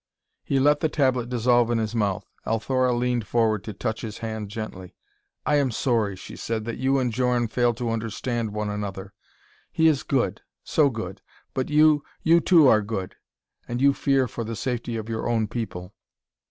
He let the tablet dissolve in his mouth. Althora leaned forward to touch his hand gently. "I am sorry," she said, "that you and Djorn fail to understand one another. He is good so good! But you you, too, are good, and you fear for the safety of your own people."